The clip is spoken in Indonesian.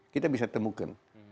kita bisa temukan